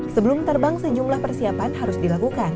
sebelum terbang sejumlah persiapan harus dilakukan